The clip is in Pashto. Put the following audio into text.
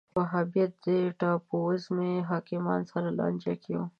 وهابیت ټاپووزمې حاکمانو سره لانجه کې و